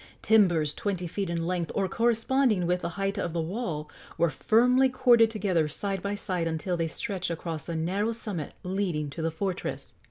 Timbers twenty feet in length, or corresponding with the height of the wall, were firmly corded together side by side until they stretched across the narrow summit leading to the fortress.